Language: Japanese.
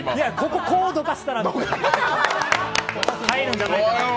ここをどかしたら飾れるんじゃないかと。